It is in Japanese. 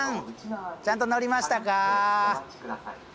ちゃんと乗りましたか？